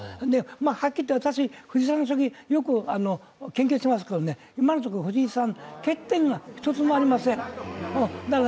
はっきり言って、藤井さんの将棋、よく研究してますけど、今のところ藤井さん欠点が、一つもありません。